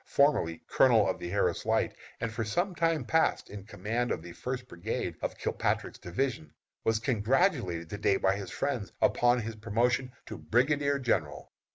formerly Colonel of the Harris Light, and for some time past in command of the First brigade of Kilpatrick's division, was congratulated to day by his friends upon his promotion to brigadier general.